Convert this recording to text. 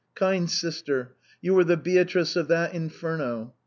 kind sister, you were the Beatrice of that Inferno.